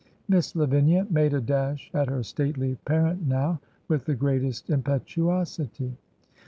... Miss Lavinia ... made a dash at her stately parent now, with the greatest impetuosity.